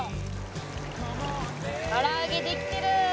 唐揚げできてる。